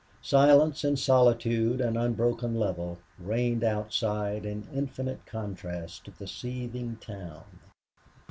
Silence and solitude and unbroken level reigned outside in infinite contrast to the seething town.